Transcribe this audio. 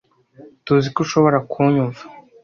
Tuziko ushobora kunyumva.